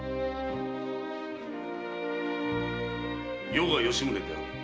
余が吉宗である。